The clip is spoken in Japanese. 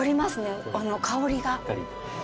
香りが。